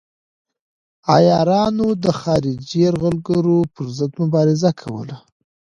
عیارانو د خارجي یرغلګرو پر ضد مبارزه کوله.